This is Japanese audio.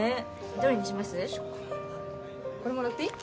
どれにしこれもらっていい？